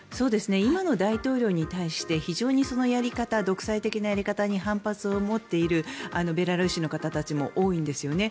今の大統領に対して非常にそのやり方独裁的なやり方に反発を持っているベラルーシの方たちも多いんですよね。